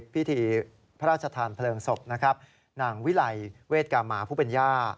พิธีพระราชทานเพลิงศพนะครับนางวิไลเวทกามาผู้เป็นย่า